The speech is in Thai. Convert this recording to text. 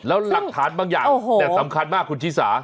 ซึ่งโอ้โหแล้วหลักฐานบางอย่างแต่สำคัญมากคุณธิสา